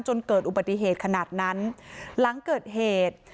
จนเกิดอุบัติเหตุขนาดนั้นหลังเกิดเหตุ